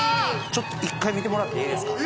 ちょっと１回見てもらってええですか？